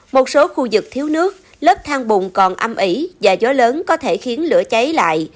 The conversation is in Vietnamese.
một số khu vực thiếu nước lớp thang bùn còn âm ỉ và gió lớn có thể khiến lửa cháy lại